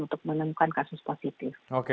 untuk menemukan kasus positif